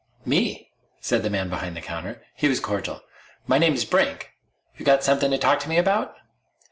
"Me," said the man behind the counter. He was cordial. "My name's Brink. You've got something to talk to me about?"